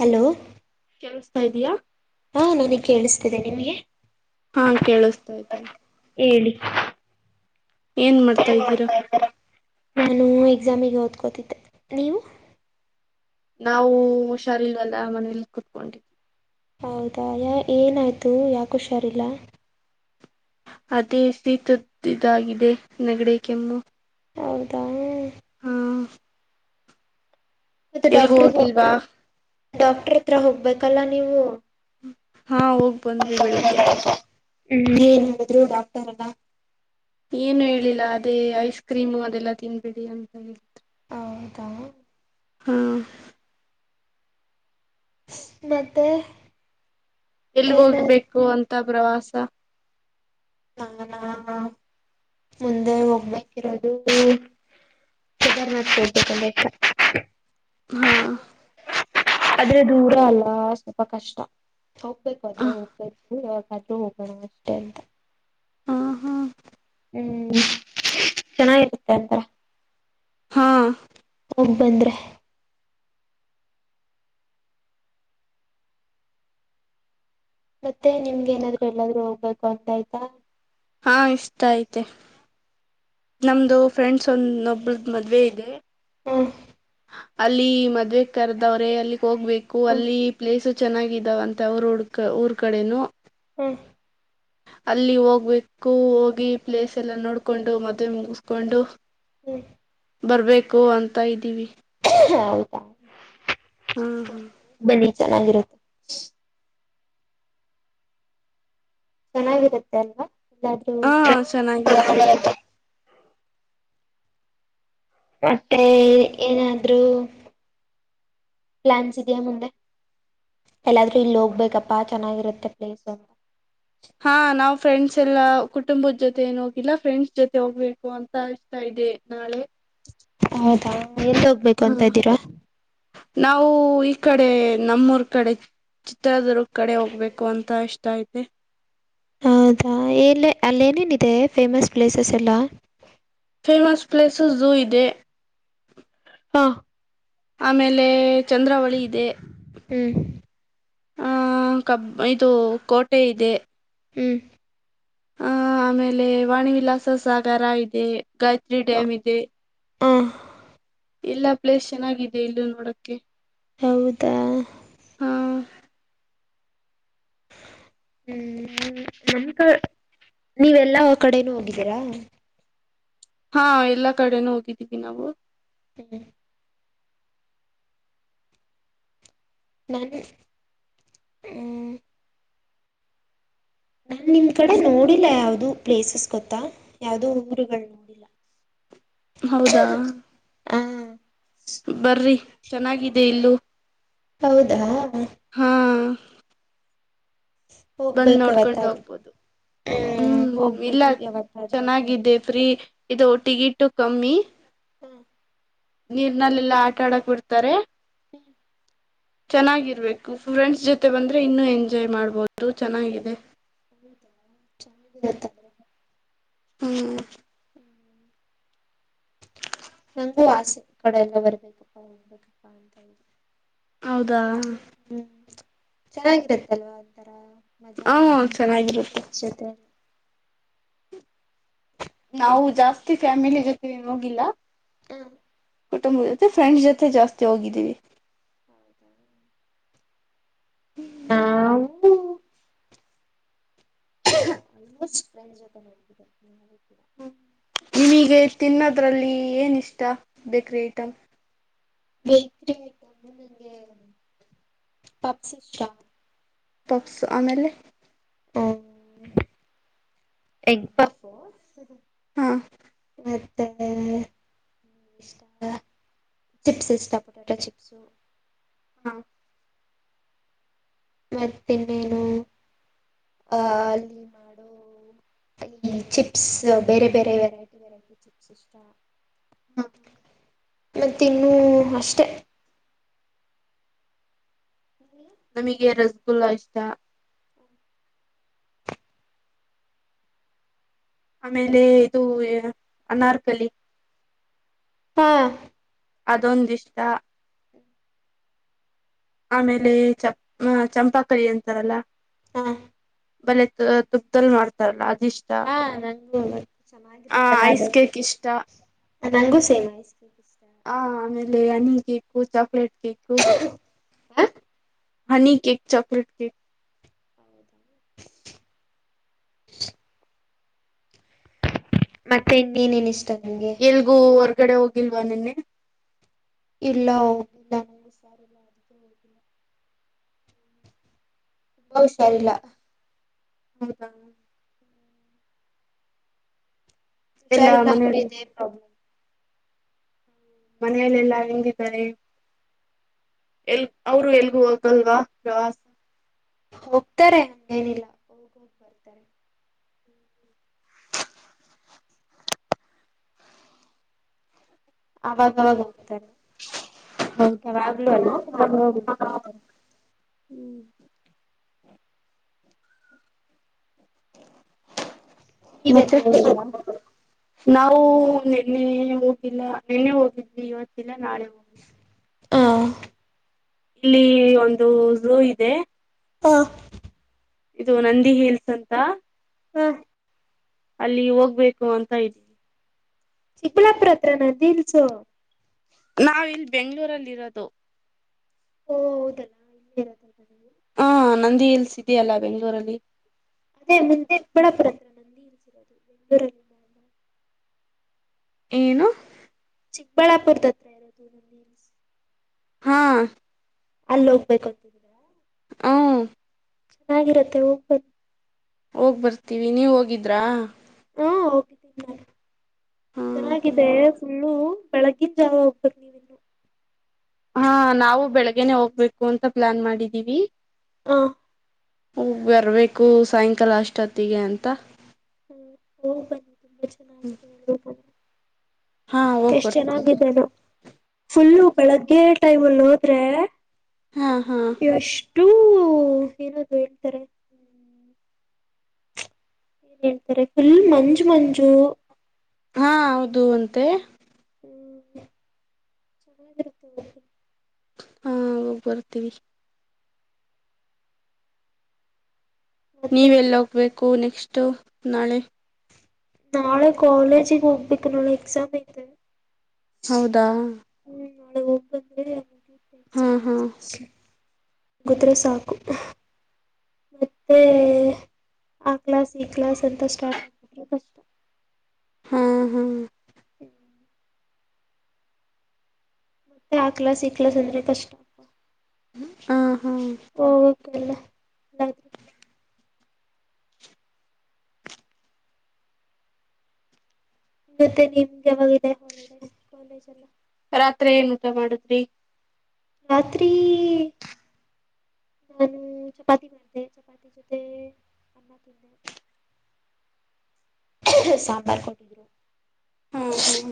Hello ಕೇಳಿಸ್ತಾ ಇದಿಯಾ. ಹಾ ನನಗ್ ಕೇಳಿಸ್ತಿದೆ ನಿಮ್ಗೆ. ಹಾ ಕೇಳಿಸ್ತೈತೆ. ಹೇಳಿ ಏನ್ ಮಾಡ್ತಾ ಇದ್ದೀರಾ. ನಾನು ಎಕ್ಸಾಮಿಗೆ ಓದ್ಕೋತಿದ್ದೆ ನೀವು. ನಾವು ಹುಷಾರೀಲ್ಲ್ಲ ಮನೇಲಿ ಕುತ್ಕೊಂಡ್ ಹೌದಾ ಯ ಏನಾಯ್ತು ಯಾಕ ಹುಷಾರಿಲ್ಲ. ಅದೇ ಸೀತ್ದಾಗಿದೆ ನಗಡೆ ಕೆಮ್ಮು. ಹೌದಾ ಹಾ ಮತ್ತೆ ಎಲ್ಗೂ ಡಾಕ್ಟರ್ ಹೋಗಿಲ್ವಾ. ಡಾಕ್ಟರ್ ಹತ್ರ ಹೋಗ್ಬೇಕಲ್ಲ ನೀವು. ಹಾ ಹೋಗ್ ಬಂದ್ವಿ ಬೆಳಿಗ್ಗೆ. ಹ್ಮ್ ಏನ್ ಹೇಳಿದ್ರು ಡಾಕ್ಟರ್ ಅಲ್ಲ. ಏನು ಹೇಳಿಲ್ಲ ಅದೇ ಐಸ್ ಕ್ರೀಮು ಅದೆಲ್ಲಾ ತಿನ್ಬಿಡಿ ಅಂತ ಹೇಳಿತು. ಹೌದಾ. ಹಾ. ಮತ್ತೆ. ಎಲ್ಗ ಏನು ಹೋಗ್ಬೇಕು ಅಂತ ಪ್ರವಾಸ. ನಾನಾ ಮುಂದೆ ಹೋಗ್ಬೇಕಿರೋದು. ಕೇದಾರನಾಥ್ ಹೋಗ್ಬೇಕ ಅಂತ. [unintelligible] ಹಾ ಆದದ್ರೆ ದೂರ ಅಲ್ಲ ಸ್ವಲ್ಪ ಕಷ್ಟ ಹೋಗ್ಬೇಕು ಹ ಆದ್ರೆ ಹೋಗ್ಬೇಕು. ಅದು ಹೋಗ್ಬೇಡ ಮಟ್ಟೆ ಅಂತ. ಹಾ ಹಾ ಹ್ಮ್ ಚೆನ್ನಾಗಿರುತ್ತೆ ಅಂತ. ಹಾ. ಹೋಗಿ ಬಂದ್ರೆ. ಮತ್ತೆ ನಿಮ್ಗೆ ಏನಾದ್ರು ಎಲ್ಲಾದ್ರೂ ಹೋಗ್ಬೇಕೂ ಅಂತ ಆಯ್ತಾ. ಹಾ ಇಷ್ಟ ಐತೆ. ನಮ್ದು ಫ್ರೆಂಡ್ಸ್ ಒಂದ ಒಬ್ಬಳದ ಮದ್ವೆ ಇದೆ. ಹ್ಮ್ಹ್. ಅಲ್ಲಿ ಮದ್ವೆ ಕರೆದವ್ರೇ ಅಲ್ಲಿಗ್ ಹೋಗ್ಬೇಕು ಹ್ಮ್ ಅಲ್ಲಿ ಪ್ಲೇಸ್. ಚೆನ್ನಾಗಿದಾವಂತೆ ಅವ್ರ ಉಡ ಊರ್ ಕಡೆನು. ಹ್ಮ. ಅಲ್ಲಿ ಹೋಗ್ಬೇಕು ಹೋಗಿ ಪ್ಲೇಸ್ ಎಲ್ಲ ನೋಡ್ಕೊಂಡು ಮದ್ವೆೆ ಮುಗಿಸಕೊಂಡು. ಹ್ಮ. ಬರ್ಬೇಕು ಅಂತ ಇದ್ದೀವಿ. ಹೌದ [unintelligible] ಹ್ಮ ಹೂ. ಚೆನ್ನಾಗಿರುತ್ತ. ಚೆನ್ನಾಗಿರುತ್ತೆ ಅಲ್ವಾ ಎಲ್ಲಾದ್ರೂ. ಹಾ ಚೆನ್ನಾಗಿರುತ್ತೆ [unintelligible] ಮತ್ತೆ ಏನಾದ್ರು. [inaudible] ಪ್ಲಾನ್ಸ್ ಇದೆಯಾ ಮುಂದೆ. ಎಲ್ಲಾದ್ರೂ ಇಲ್ಲಿ ಹೋಗ್ಬೇಕಪ್ಪಾ ಚೆನ್ನಾಗಿರುತ್ತೆ ಪ್ಲೇಸ್ ಸು ಹಾ ನಾವ್ ಫ್ರೆಂಡ್ಸ್ ಎಲ್ಲಾ ಕುಟುಂಬದ ಜೊತೆ. ಜೊತೆ ಏನ ಹೋಗಿಲ್ಲ ಫ್ರೆಂಡ್ಸ್ ಜೊತೆ ಹೋಗ್ಬೇಕು ಅಂತ ಅನಿಸ್ತಾ ಇದೆ ನಾಳೆ. ಹೌದಾ ಎಲ್ಲಿ ಹೋಗ್ಬೇಕು ಹ ಅಂತ ಇದ್ದೀರಾ. ನಾವು ಈ ಕಡೆ ನಮ್ಮೂರ್ ಕಡೆ. ಚಿತ್ರದುರ್ಗ ಕಡೆ ಹೋಗ್ಬೇಕು ಅಂತ ಇಷ್ಟ ಇದೆ. ಹೌದಾ ಎಲ್ಲಿ ಅಲ್ಲಿ ಏನೇನು ಇದೆ ಫೇಮಸ್ ಪ್ಲೇಸಸ್ ಎಲ್ಲ. ಫೇಮಸ್ ಪ್ಲೇಸಸು ಜೋ ಇದೆ. ಹಾ. ಆಮೇಲೆ ಚಂದ್ರಾವಳಿ ಇದೆ. ಹ್ಮ್ ಆಹ ಕಬ್ ಇದು ಕೋಟೆ ಇದೆ. ಹ್ಮ್. ಹ ಆಮೇಲೆ ವಾಣಿ ವಿಲಾಸ ಸಾಗರ ಇದೆ ಗಾಯತ್ರಿ ಡ್ಯಾಮ್ ಇದೆ. ಹ್ಮ್ಮ್. ಇಲ್ಲಾ ಪ್ಲೇಸ್ ಚೆನ್ನಾಗಿದೆ ಇಲ್ಲೂ ನೋಡಕ್ಕೆ. ಹೌದ. ಹ್ಮ್ಹ್. ಹ್ಮ ಹ್ಮ್ಮ್ ನಮಕ್ ನೀವು ಎಲ್ಲಾ ಕಡೆನೂ ಹೋಗಿದ್ದೀರಾ. ಹಾ ಎಲ್ಲಾ ಕಡೆನೂ ಹೋಗಿದ್ದೀವಿ ನಾವು. ಹ್ಮ್. ನಾನು ಹ್ಮ್. ನಾನ್ ನಿಮ್ ಕಡೆ ನೋಡಿಲ್ಲ ಯಾವ್ದು ಪ್ಲೇಸಸ್ ಗೊತ್ತಾ ಯಾವ್ದು ಊರುಗಳ್ ನೋಡಿಲ್ಲ. [inaudible] ಹೌದಾ ಹ ಬರ್ರಿ ಚೆನ್ನಾಗಿದೆ ಇಲ್ಲೂ. ಹೌದಾ. ಹಾ ಬಂದ್ ಹೋಗ್ಬೇಕು ನೋಡ್ಕೊಂಡು ಯಾವತ್ತಾದ್ರೂ ಹೋಗ್ಬೋದು. ಹ್ಮ್ ಇಲ್ಲ ಹೋಗ್ಬೇಕು ಯಾವತ್ತಾದ್ರೂ ಚೆನ್ನಾಗಿದ್ದೆ ಫ್ರೀ. ಇದು ಟಿಗಿಟು ಕಮ್ಮಿ. ಹ್ಮ್. ನೀರ್ನಲ್ಲೆಲ್ಲಾ ಆಟ ಆಡಕ್ ಬಿಡ್ತಾರೆ. ಹ್ಮ್. ಚೆನ್ನಾಗಿರ್ಬೇಕು ಫ್ರೆಂಡ್ಸ್ ಜೊತೆ ಬಂದ್ರೆ ಇನ್ನು ಎಂಜಾಯ್ ಮಾಡ್ಬೋದು ಚೆನ್ನಾಗಿದೆ. [unintelligible] ಹ್ಮ್. ನಂಗೂ ಆಸೆ ಕಡೆ ಎಲ್ಲ ಬರ್ಬೇಕಪ್ಪ ಹೋಗ್ಬೇಕಪ್ಪಾ ಅಂತ ಇದೆ. ಹೌದಾ. ಹ್ಮ್ ಚೆನ್ನಾಗಿರತ್ತಲ್ವಾ ಒಂತರ ಮಜಾ ಹ ಮಾಡ್ಕೊಂಡ್ ಬರ್ಬಹುದು ಚೆನ್ನಾಗಿರುತ್ತೆ ಫ್ರೆಂಡ್ಸ್ ಜೊತೆ. ನಾವು ಜಾಸ್ತಿ ಫ್ಯಾಮಿಲಿ ಜೊತೆಗೇನ್ ಹೋಗಿಲ್ಲ. ಹ್ಮ್. ಕುಟುಂಬದ ಜೊತೆ ಫ್ರೆಂಡ್ಸ್ ಜೊತೆ ಜಾಸ್ತಿ ಹೋಗಿದ್ದೀವಿ. ಹೌದಾ. ನಾವು. ಆಲ್ಮೋಸ್ಟ್ ಫ್ರೆಂಡ್ ಜೊತೇನೆ ಹೋಗಿರೋದು [unintelligible] ಹ್ಮ್ ನಿಮಿಗೆ ತಿನ್ನೋದ್ರಲ್ಲಿ ಏನಿಷ್ಟ ಬೇಕ್ರಿ ಐಟಮ್. ಬೇಕ್ರಿ ಐಟಂ ಅಲ್ಲ್ ನಂಗೆ ಪಪ್ಸ್ ಇಷ್ಟ. ಪಪ್ಸ್ ಆಮೇಲೆ. [unintelligible] ಎಗ್ ಪಫ್ ಹಾ. ಮತ್ತೆ ಏನಿಷ್ಟ ಚಿಪ್ಸ್ ಇಷ್ಟ ಪೊಟ್ಯಾಟೊ ಚಿಪ್ಸು. ಹಾ. ಮತ್ತಿನ್ನೇನು ಆ ಅಲ್ಲಿ ಮಾಡೋ ಈ ಚಿಪ್ಸ್ ಬೇರೆ ಬೇರೆ ವೆರೈಟಿ ವೆರೈಟಿ ಚಿಪ್ಸ್ ಇಷ್ಟ. ಹ ಮತ್ತಿನ್ನೂ ಅಷ್ಟೆ. ನಮಿಗೆ ರಸ್ಗುಲ್ಲ ಇಷ್ಟ. ಆಮೇಲೆ ಇದು ಅನಾರ್ಕಲಿ. ಹಾ. ಅದೊಂದಿಷ್ಟ. ಆಮೇಲೆ ಚ ಚಂಪಾಕಲಿ ಅಂತಾರಲ್ಲ ಹಾ. ಬೆಲ್ಲದ್ ತುಪ್ಪ್ದಲ್ ಮಾಡ್ತಾರಲ್ಲ ಅದ್ ಹಾ ನಂಗುವೆ ಆ ಚೆನ್ನಾಗಿರುತ್ತಲ್ಲ ಐಸ್ ಅದು. ಕೇಕ್ ಇಷ್ಟ ನಂಗು ಸೇಮ್ ಐಸ್ ಕ್ರೀಮ್ ಇಷ್ಟ. ಮೇಲೆ ಹನಿ ಕೇಕು ಚಾಕ್ಲೇಟ್ ಕೇಕು. ಹಾ ಹನಿ ಕೇಕ್ ಚಾಕೋಲೇಟ್ ಕೇಕ್ ಹೌದ. ಮತ್ತೆ ಇನ್ನೇನ್ ಇಷ್ಟ. ನಿಂಗೆ? ಎಲ್ಗೂ ಹೊರ್ಗಡೆ ಹೋಗಿಲ್ವಾ ನಿನ್ನೆ. ಇಲ್ಲ ಹೋಗಿಲ್ಲ ನಂಗ್ ಹುಷಾರಿಲ್ಲ ಅದಕೆ ಹೋಗಿಲ್ಲ. ತುಂಬಾ ಹುಷಾರಿಲ್ಲ. ಹೌದಾ. ಎಲ್ಲಾ ಹುಷಾರಿಲ್ಲ ಅಂದ್ರೆ ಮನೆಯಲ್ಲಿ ಇದೇ ಪ್ರಾಬ್ಲಮ್ ಮನೆಲೆೆಲ್ಲಾ ಹೆಂಗಿದ್ದಾರೆ ಎಲ್ ಅವರು ಎಲ್ಗೂ ಹೋಗಲ್ವಾ ಪ್ರವಾಸ ಹೋಗ್ತಾರೆ ನ್ನೇನಿಲ್ಲಾ ಅವಾಗವಾಗ ಹೋಗ್ತಾರೆ ಹೌದಾ ಯಾವಾಗ್ಲು ಅಲ್ಲ ಅವಾಗವಾಗ ಹೋಗ್ತಾ ಇರ್ತೀನಿ ಹ್ಮ್ ಮತ್ತೆ ನೀವೆಲ್ಲೂ ಹೋಗಲಿಲವಾ ನಾವು ನಿನ್ನೆ ಹೋಗಿಲ್ಲ ನಿನ್ನೆ ಹೋಗಿದ್ವಿ ಇವತ್ತಿಲ್ಲ ನಾಳೆ ಹೋಗತೀವಿ ಹ ಇಲ್ಲಿ ಒಂದು ಝೂ ಇದೆ ಹಾ ಇದು ನಂದಿ ಹೇಲ್ಸ್ ಅಂತ ಹ್ಮ ಅಲ್ಲಿ ಹೋಗ್ಬೇಕು ಅಂತ ಇದ್ದೀವಿ ಚಿಕ್ಕಳ್ಳಾಪುರ ಹತ್ರ ನ ದಿಲ್ಸು ನಾವಿಲ್ಲಿ ಬೆಂಗ್ಗಳೂರಲ್ಲಿ ಇರೋದು ಓ ಹೌದಲ್ಲ ಹ [unintelligible] ನಂದಿ ಹಿಲ್ಸ್ ಇದೆಯಲ್ಲ ಬೆಂಗಳೂರಲ್ಲಿ ಅದೇ ಮುಂದ್ ಚಿಕ್ಕಬಳ್ಳಾಪುರ [unintelligible] ಏನು ಚಿಕ್ಕಬಳ್ಳಾಪುರ್ದತ್ ಹಾ ಅಲ್ಲ ಹೋಗ್ಬೇಕ ಹ್ ಚೆನ್ನಾಗಿರತ್ತೆ ಹೋಗ್ಬೇ ಹೋಗ್ ಬರ್ತೀವಿ ನೀವ ಹೋಗಿದ್ರಾ. ಹ ಹೋಗಿದ್ದೀನಿ ನ ಹ್ಮ್ ಚೆನ್ನಾಗಿದೆ ಹ್ಮ್ ಫುಲ್ಲು ಬೆಳಗ್ಗಿನ ಜಾವ ಹೋಗ್ಬೇಕು ನೀವಿ ಹಾ ನಾವು ಬೆಳಗ್ನೆ ಹೋಗ್ಬೇಕು ಅಂತ ಪ್ಲಾನ್ ಮಾಡಿದ್ದೀವಿ. ಹ ಹ ಬರ್ಬೇಕು ಸಾಯಂಕಾಲ ಅಷ್ಟೊತ್ತಿಗೆ ಅಂತ. ಹೋಗ್ಬನ್ನಿ [unintelligible] ಹಾ ಹೋಗ್ ಎಷ್ಟ್ ಬರ್ತೀವಿ ಚೆನ್ನಾಗಿದ್ದೇನು ಫುಲ್ಲು ಬೆಳಗ್ಗೆ ಟೈಮ್ ಲ್ಲಿ ಹೋದ್ರೆ ಹಾ ಹಾ ಎಷ್ಟು ಓ ಇರೋದು ಹೇಳ್ತಾರೆ ಏನ್ ಹೇಳ್ತಾರೆ ಫುಲ್ ಮಂಜು ಮಂಜು ಹಾ ಹೌದು ಅಂತೆ ಹ್ಮ್ ಚೆನ್ನಾಗಿರುತ್ತೆ [unintelligible] ಹಾ ಹೋಗ್ ಬರ್ತೀವಿ ಮತ್ತೆ ನೀವೆಲ್ಲಿ ಹೋಗ್ಬೇಕು ನೆಕಸ್ಟು ನಾಳೆ ನಾಳೆ ಕಾಲೇಜಿಗೆ ಹೋಗ್ಬೇಕು ನಾಳೆ ಎಕ್ಸಾಮ್ ಐತೆ ಹೌದಾ ಹ್ಮ ನಾಳೆ ಹಾ ಹಾ [unintelligible] ಗದ್ರೆ ಸಾಕು ಮತ್ತೆ ಆ ಕ್ಲಾಸ್ ಈ ಕ್ಲಾಸ್ ಅಂತ ಸ್ಟಾರ್ಟ್ ಆಗ್ಬಿಟ್ರೆ ಕಷ್ಟ ಹ್ಮ್ ಹಾ್ ಹ್ಮ್ ಮತ್ತೆ ಹಾಕ್ಲಾಸ್ ಇಕ್ಲಾಸ್ ಅಂದ್ರೆ ಕಷ್ಟ ಹಾ ಹಾ ಆ ಓ ಕೆಲ್ಲ [unintelligible] ಮತ್ತೆ ನಿಮ್ಗೆ ಯಾವಾಗದೆ ಹಾಲಿಡೇಸ್ ಕಾಲೇಜ್ ಎಲ್ಲ ರಾತ್ರಿ ಏನ್ ಊಟ ಮಾಡುದ್ರಿ ರಾತ್ರಿ ನಾನು ಚಪಾತಿ ಮಾಡಿದೆೆ ಚಪಾತಿ ಜೊತೆ ಅನ್ನ ತಿಂದೆ [inaudible] ಸಾಂಬಾರ್ ಕೊಟ್ಟಿದ್ರು ಹ್ಮ್ ಹ್ಮ್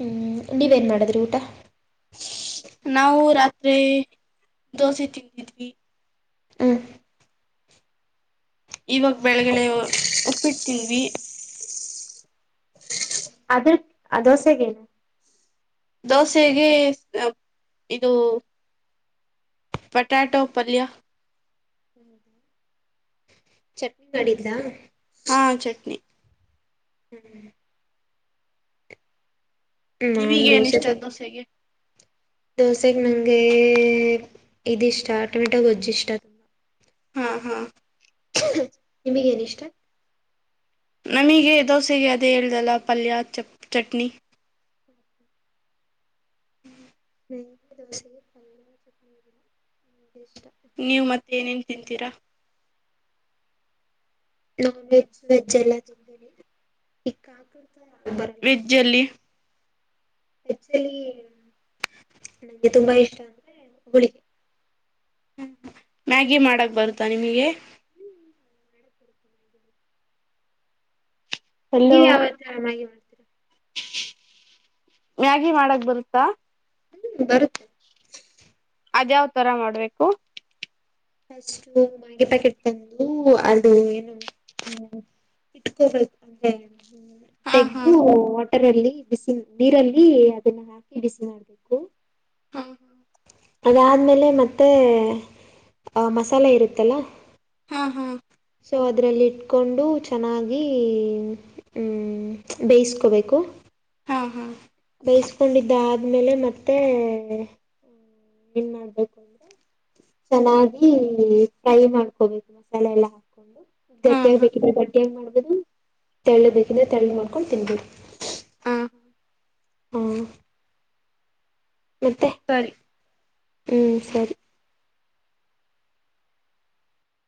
ಹ್ಮ್ ನೀವೇನ್ ಮಾಡಿದ್ರಿ ಊಟ ನಾವು ರಾತ್ರಿ ದೋಸೆ ತಿಂದಿದ್ವಿ ಹ್ಮ್ ಇವಾಗ ಬೆಳಗ್ಡೆ ಒಪ್ಪಿಡ್ತಿದ್ವಿ ಅದ್ರ ದೋಸೆಗಏನು ದೋಸೆಗೆ ಇದು ಪಟಾಟೊ ಪಲ್ಯ ಚಟ್ನಿ ಮಾಡಿದ್ದ್ಲಾ ಹಾ ಚಟ್ನಿ ಹ್ಮ್ ನೀವೀಗ ಏನ್ ಇಷ್ಟ ದೋಸೆಗೆ ದೋಸೆೆಗೆ ನಂಗೆ ಇದಿಷ್ಟ ಟೊಮೆಟೊ ಗೊಜ್ಜು ಇಷ್ಟ ಹ್ಮ್ ಹ್ಮ್ ನಿಮಗ ಏನ ಇಷ್ಟ ನಮಗೆ ದೋಸೆಗೆ ಅದೇ ಹೇಳ್ದಲ್ಲ ಪಲ್ಯ ಚ ಚಟ್ನಿ [inaudible] ನೀವ್ ಮತ್ತೆ ಏನೇನ್ ತಿಂತೀರಾ ನಾನ್ ವೆಜ್ ವೆಜ್ ಎಲ್ಲ ತಿಂತೇನೆ ಈ ಕಾ ವೆಜ್ ಅಲ್ಲಿ ಎಕ್ಚುಲಿ ನಂಗೆ ತುಂಬಾ ಇಷ್ಟ ಅಂದ್ರೆ ಹುುಳಿಗೆ ಹ ಮ್ಯಾಗಿ ಮಾಡಕ್ ಬರುತ್ತಾ ನಿಮಗೆ ಹಲೋ ನೀವ ಯಾವತ್ತ ಆರಾಮಾಗಿ ಮಾಡ್ತೀರಾ ಮ್ಯಾಗಿ ಮಾಡಕ್ ಬರುತ್ತಾ ಹ್ಮ್ ಬರುತ್ತೆ ಅದ್ಯಾವ್ ತರ ಮಾಡ್ಬೇಕು ಅಷ್ಟು ಮಾಗೆ ಪ್ಯಾಕೆಟ್ ತಂದು ಅದು ಏನು ಹ್ಮ ಇಟ್ಕೋಬೇಕುಮ ಹಾ ಹಾ ತೆೆಗೆದ ವಾಟರ್ ಅಲ್ಲಿ ಬಿಸಿ ನೀರಲ್ಲಿ ಅದನ್ನ ಹಾಕಿ ಬಿಸಿ ಮಾಡ್ಬೇಕು ಹ್ಮ ಅದದ್ಮೇಲೆ ಮತ್ತೆ ಅಹ ಮಸಾಲೆ ಇರುತ್ತಲ್ಲ ಹ್ಮ ಹಾ್ ಸೊ ಅದರಲ್ಲಿ ಇಟ್ಕೊಂಡು ಚೆನ್ನಾಗಿ ಬೇಯಿಸ್ಕೋಬೇಕು ಹಾ ಹಾ ಬೈಸ್ಕೊಂಡಿದ್ದ ಆದ್ಮೇಲೆ ಮತ್ತೆ ಏನ್ ಮಾಡ್ಬೇಕು ಅಂದ್ರೆ ಚೆನ್ನಾಗಿ ಫ್ರೈ ಮಾಡ್ಕೋಬೇಕು ಮಸಾಲೆ ಎಲ್ಲ ಹಾಕೊಂಡು ಹಾ ಗಟ್ಟಿಯಾಗ ಹಾ ಬೇಕಿದ್ರೆ ಗಟ್ಟಿಯಾಗ ಮಾಡ್ಬೋದು ತೆಳ್ಳ ಬೇಕಿದ್ರೆ ತೆರಳ್ಳ ಮಾಡ್ಕೊಂಡು ತಿನ್ಬೋದು ಹ್ಮ ಹ್ಮ ಸರಿ ಹ್ಮಸರಿ